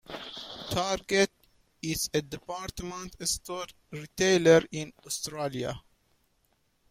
Target is a department store retailer in Australia.